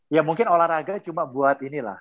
ya mungkin olahraga cuma buat ini lah